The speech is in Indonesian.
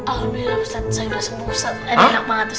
alhamdulillah ustadz saya udah sembuh ustadz